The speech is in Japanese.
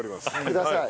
ください。